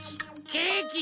ケーキ。